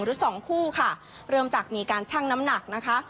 หรือสองคู่ค่ะเริ่มจากมีการชั่งน้ำหนักนะคะ